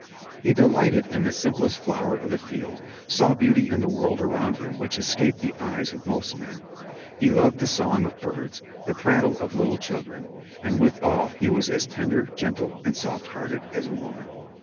He delighted in the simplest flower of the field, saw beauty in the world around him which escaped the eyes of most men ; he loved the song of birds, the prattle of little children ; and withal lie was as tender, gentle and soft hearted as a woman.